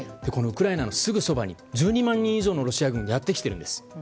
このウクライナのすぐそばに１２万人以上のロシア軍がやってきているんです。